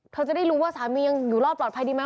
จะได้รู้ว่าสามียังอยู่รอดปลอดภัยดีไหม